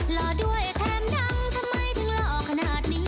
หล่อด้วยแถมดังทำไมถึงหล่อขนาดนี้